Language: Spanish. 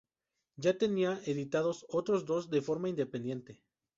Ya tenían editados otros dos de forma independiente.